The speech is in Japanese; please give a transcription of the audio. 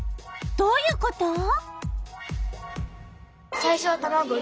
どういうこと？